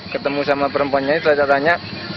ketemu sama perempuan ini saya tanya